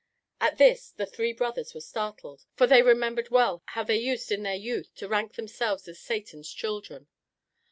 At this the three brothers were startled, for they remembered well how they used, in youth, to rank themselves as Satan's children.